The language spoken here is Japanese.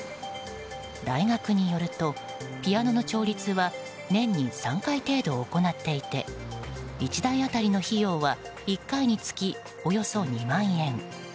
大学によると、ピアノの調律は年に３回程度、行っていて１台当たりの費用は１回につき、およそ２万円。